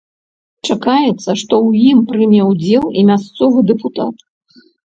Чакаецца, што ў ім прыме ўдзел і мясцовы дэпутат.